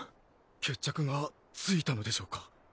決着がついたのでしょうか？